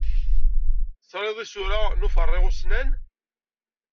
Trid isura n uferriɣ ussnan?